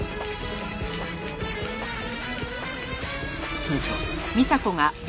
失礼します。